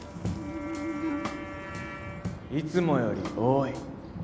いつもより多い。